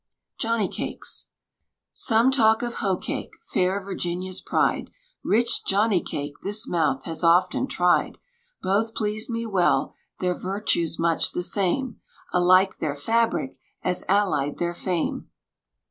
JOHNNY CAKES. Some talk of hoecake, fair Virginia's pride! Rich Johnny cake this mouth has often tried; Both please me well, their virtues much the same; Alike their fabric, as allied their fame.